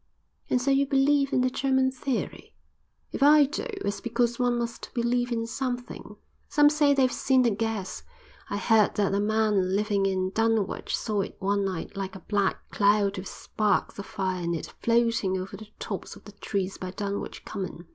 "And so you believe in the German theory?" "If I do, it's because one must believe in something. Some say they've seen the gas. I heard that a man living in Dunwich saw it one night like a black cloud with sparks of fire in it floating over the tops of the trees by Dunwich Common."